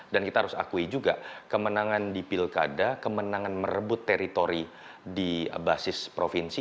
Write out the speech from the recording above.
dan kita harus akui juga kemenangan di pilkada kemenangan merebut teritori di basis provinsi